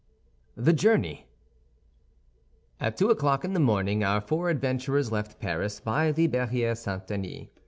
THE JOURNEY At two o'clock in the morning, our four adventurers left Paris by the Barrière St. Denis.